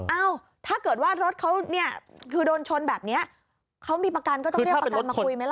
เอ้าถ้าเกิดว่ารถเขาเนี่ยคือโดนชนแบบนี้เขามีประกันก็ต้องเรียกประกันมาคุยไหมล่ะ